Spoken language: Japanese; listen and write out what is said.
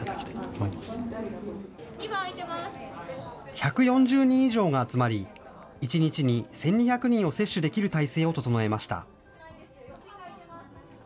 １４０人以上が集まり、１日に１２００人を接種できる態勢を整えました。